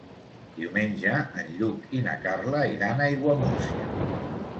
Diumenge en Lluc i na Carla iran a Aiguamúrcia.